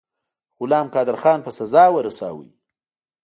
غلم قادرخان په سزا ورساوه.